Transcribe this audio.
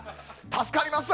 助かります！